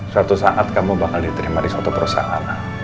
suatu saat kamu bakal diterima risoto perusahaan